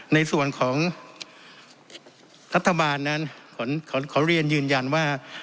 ในส่วนของรัฐบาลนั้นขอเรียนยืนยันว่า